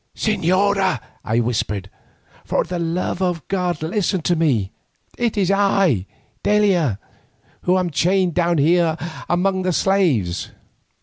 "Señora," I whispered, "for the love of God listen to me. It is I, d'Aila, who am chained down here among the slaves."